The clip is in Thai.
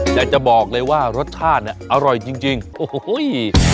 อยากจะบอกเลยว่ารสชาติเนี่ยอร่อยจริงจริงโอ้โห